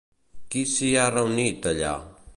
Qui s'hi ha reunit, allà?